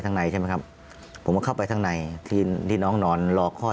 ตอนนั้น๔ทุ่มครั้งนั้นเพราะเขมาตามเสร็จแล้ว